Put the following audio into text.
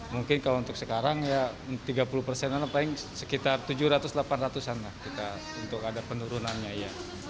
mungkin kalau untuk sekarang ya tiga puluh persenan paling sekitar tujuh ratus delapan ratus an lah kita untuk ada penurunannya ya